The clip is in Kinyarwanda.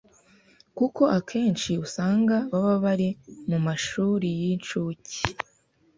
kuko akenshi usanga baba bari mu mashuri y’inshuke